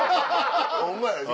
ホンマやね。